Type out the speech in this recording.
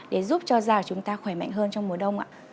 để giúp cho da của chúng ta khỏe mạnh hơn trong mùa đông